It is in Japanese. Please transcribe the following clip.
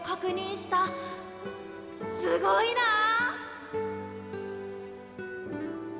すごいなあ。